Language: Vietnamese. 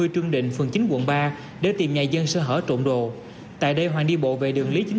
trương định phường chín quận ba để tìm nhà dân sơ hở trộm đồ tại đây hoàng đi bộ về đường lý chính